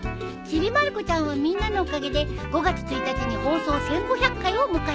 『ちびまる子ちゃん』はみんなのおかげで５月１日に放送１，５００回を迎えます。